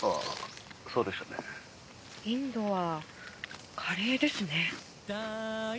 インドはカレーですね。